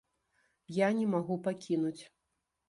Я не магу пакінуць.